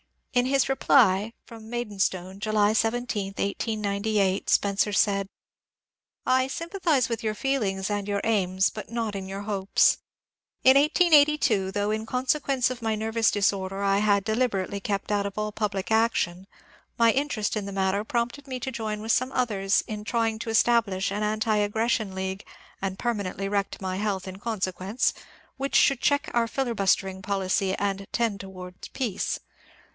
In his reply, — from Maid stone, July 17, 1898, — Spencer said :— I sympathize in your feelings and your aims but not in your hopes. In 1882, though in consequence of my nervous disorder I had deliberately kept out of all public action, my interest in the matter prompted me to join with some otiiers SPENCER'S FATALISM 449 in trying to establish an anti^agression league (and perma nently wrecked my health in consequence) which should check our fOibustering policy and tend towards peace.